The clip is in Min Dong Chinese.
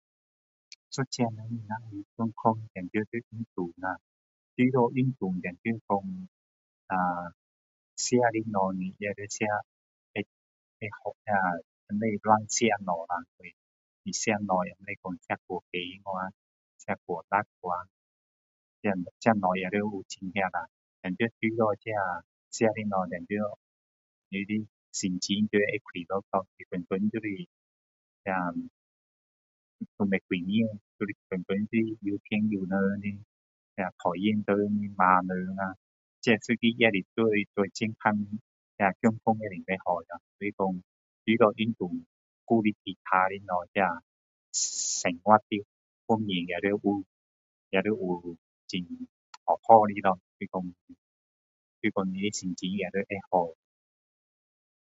一个人那要健康当然要运动啦除了运动当然说吃的东西你也要吃的啊会好啊不可以乱吃东西啦吃东西也不用说吃太咸掉啊吃太辣掉啊这些东西也要少吃下当然除了吃的东西你的心情要会快乐咯天天就是都是不爽每天都是怨天尤人的那讨厌谁的骂人啊这一个也是对健康健康也是不好的咯所以说除了运动还有其他的东西那生活的方面也要有也要有很好好的咯就是说你的心情也要会好